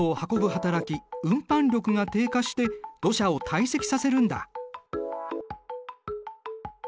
はたらき運搬力が低下して土砂を堆積させるんだ。